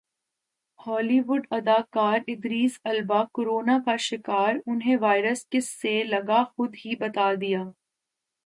ہالی ووڈ اداکارادریس Alba corona کا شکارانہیں وائرس کس سے لگاخودہی بتادیا